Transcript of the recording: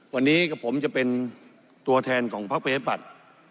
วันนี้กับผมจะเป็นตัวแทนของพักประชาธิบัติ